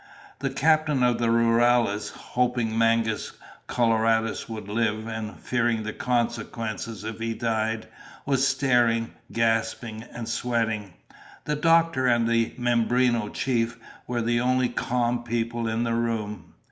The captain of the rurales, hoping Mangus Coloradus would live and fearing the consequences if he died, was staring, gasping, and sweating. The doctor and the Mimbreno chief were the only calm people in the room.